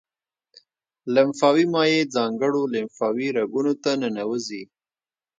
لمفاوي مایع ځانګړو لمفاوي رګونو ته ننوزي.